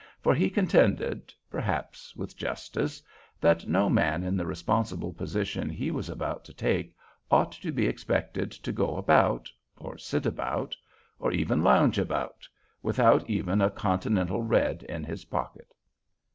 For he contended, perhaps with justice, that no man in the responsible position he was about to take ought to be expected to go about, or sit about, or even lounge about, without even a continental red in his pocket.